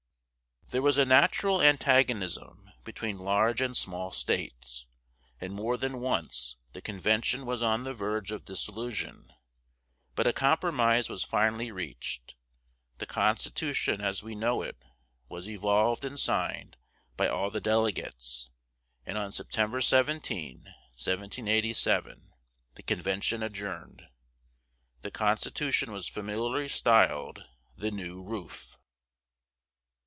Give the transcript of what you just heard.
There was a natural antagonism between large and small states, and more than once the convention was on the verge of dissolution; but a compromise was finally reached, the constitution as we know it was evolved and signed by all the delegates, and on September 17, 1787, the convention adjourned. The constitution was familiarly styled the "new roof."